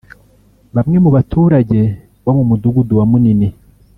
Bamwe mu baturage bo mu Mudugudu wa Munini